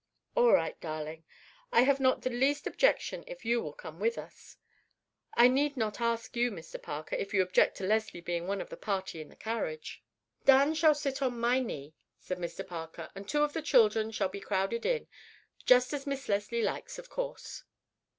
"All right, darling. I have not the least objection if you will come with us. I need not ask you, Mr. Parker, if you will object to Leslie being one of the party in the carriage?" "Dan shall sit on my knee," said Mr. Parker, "and two of the children can be crowded in. Just as Miss Leslie likes, of course."